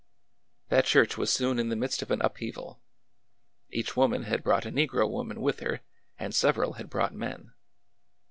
That church was soon in the midst of an upheaval. Each woman had brought a negro woman with her, and several had brought men.